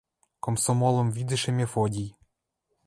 Комсомолым видӹшӹ Мефодий